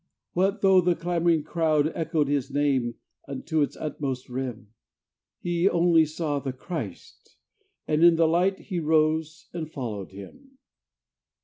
What though the clamouring crowd echoed his name Unto its utmost rim, He only saw the Christ and in the light He rose and followed Him.